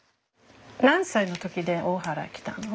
何歳の時で大原来たの？